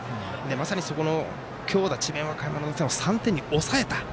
まさに、そこの強打智弁和歌山打線を３点に抑えた。